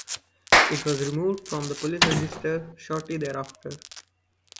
It was removed from the police register shortly thereafter.